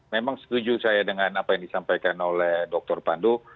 memang setuju saya dengan apa yang disampaikan oleh dr pandu